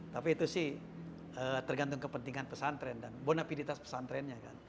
tapi itu sih tergantung kepentingan pesantren dan bonapiditas pesantrennya kan